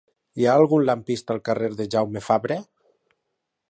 Hi ha algun lampista al carrer de Jaume Fabre?